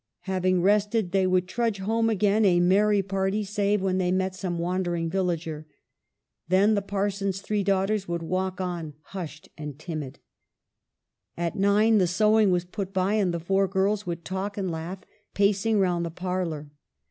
Having rested, they would trudge home again a merry party, save when they met some wandering villager. Then the parson's three daughters would walk on, hushed and timid. At nine the sewing was put by, and the four girls would talk and laugh, pacing round the parlor.